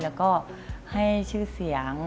แล้วก็ให้ชื่อเสียง